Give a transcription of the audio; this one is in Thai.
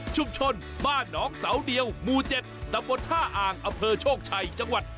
บ้านน้องเสาเดียวหมู่๗ตำบลท่าอ่างอำเภอโชคชัยจังหวัด